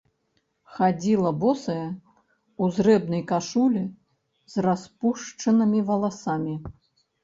Хадзіла босая ў зрэбнай кашулі з распушчанымі валасамі.